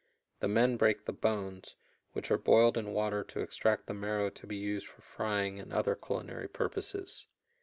The men break the bones, which are boiled in water to extract the marrow to be used for frying and other culinary purposes.